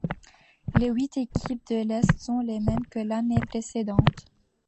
Les huit équipes de l'Est sont les mêmes que l'année précédente.